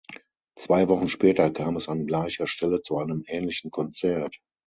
Zwei Wochen später kam es an gleicher Stelle zu einem ähnlichen Konzert.